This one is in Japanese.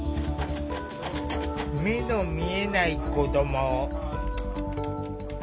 目の見えない子ども。